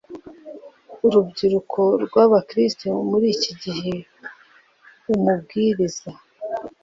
urubyiruko rw abakristo muri iki gihe umubwiriiiza